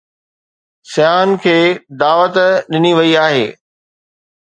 سياحن کي دعوت ڏني وئي آهي